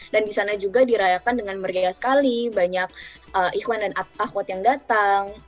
dan di sana juga dirayakan dengan meriah sekali banyak ikhwan dan akhwat yang datang